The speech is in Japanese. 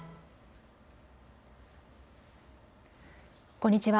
こんにちは。